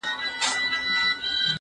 کېدای سي تمرين ستونزي ولري؟!